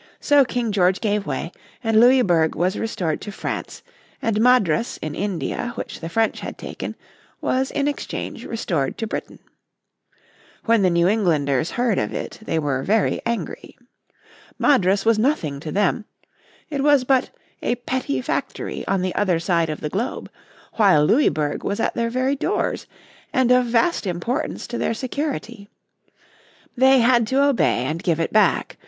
So King George gave way, and Louisburg was restored to France, and Madras in India, which the French had taken, was in exchange restored to Britain. When the New Englanders heard of it, they were very angry. Madras was nothing to them; it was but a "petty factory" on the other side of the globe; while Louisburg was at their very doors, and of vast importance to their security. They had to obey and give it back.